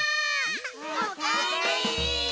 おかえり！